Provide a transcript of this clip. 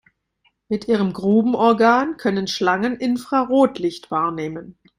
Mit ihrem Grubenorgan können Schlangen Infrarotlicht wahrnehmen.